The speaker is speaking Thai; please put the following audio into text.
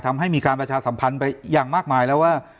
ทำให้มีการประชาสัมพันธ์ไปอย่างมากมายแล้วว่า